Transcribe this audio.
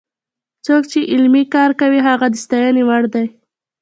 څوک چې علمي کار کوي هغه د ستاینې وړ دی.